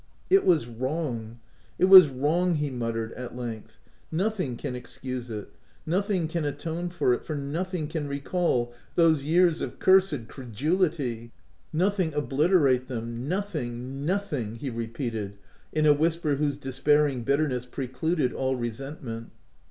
" It was wrong — it was wrong I* he mut tered, at length. " Nothing can excuse it — nothing can atone for it, — for nothing can re call those years of cursed credulity — nothing obliterate them !— nothing, nothing !" he re peated in a whisper whose despairing bitterness precluded all resentment.